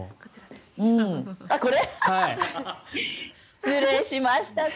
失礼しました。